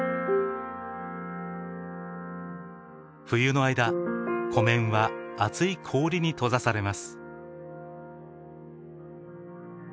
冬の間湖面は厚い氷に閉ざされます。